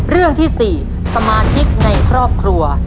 เรื่องที่๔สมาชิกในครอบครัว